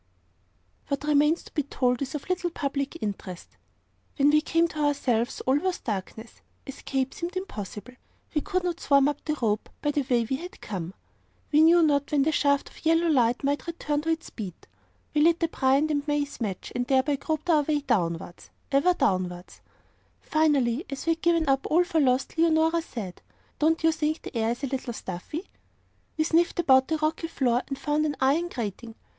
What remains to be told is of little public interest. When we came to ourselves, all was darkness. Escape seemed impossible. We could not swarm up the rope, by the way we had come. We knew not when the shaft of yellow light might return on its beat. We lit a Bryant & May's match, and thereby groped our way downwards, ever downwards. Finally, as we had given up all for lost, Leonora said, 'Don't you think the air is a little stuffy?' We sniffed about the rocky floor, and found an iron grating.